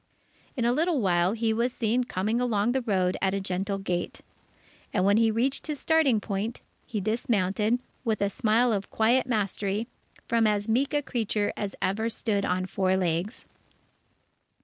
In a little while, he was seen coming along the road at a gentle gait. And when he reached his starting point, he dismounted, with a smile of quiet mastery, from as meek a creature as ever stood on four legs.